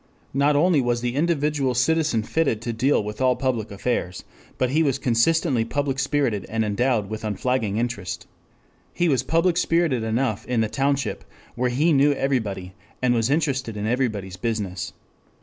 Not only was the individual citizen fitted to deal with all public affairs, but he was consistently public spirited and endowed with unflagging interest. He was public spirited enough in the township, where he knew everybody and was interested in everybody's business.